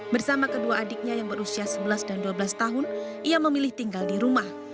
bersama kedua adiknya yang berusia sebelas dan dua belas tahun ia memilih tinggal di rumah